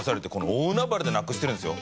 大海原でなくしてるんですよ？